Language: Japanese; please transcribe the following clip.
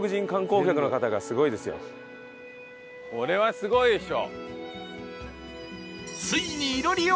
これはすごいでしょ。